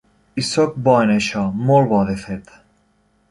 I sóc bo en això, molt bo, de fet